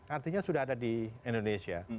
artinya sudah ada di indonesia